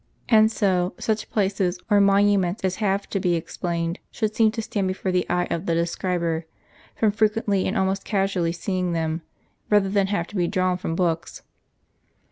And so, such places or monuments as have to be explained should seem to stand be fore the eye of the describer, from frequently and almost casually seeing them, rather than have to be drawn from books.